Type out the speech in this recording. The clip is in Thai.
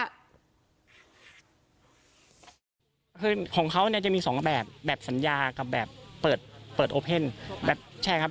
คือของเขาเนี่ยจะมีสองแบบแบบสัญญากับแบบเปิดโอเพ่นแบบใช่ครับ